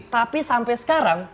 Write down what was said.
tapi sampai sekarang